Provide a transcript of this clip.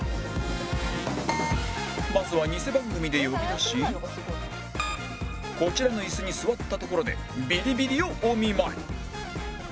まずはこちらの椅子に座ったところでビリビリをお見舞い